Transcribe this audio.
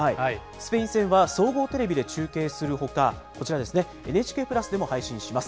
スペイン戦は総合テレビで中継するほか、こちらですね、ＮＨＫプラスでも配信します。